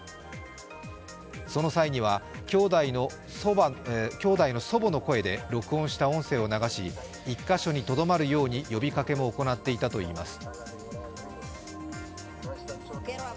その際には兄弟の祖母の声で録音した音声を流し１か所にとどまるように呼びかけも行っていたといいます。